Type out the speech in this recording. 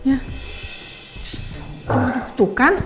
aduh tuh kan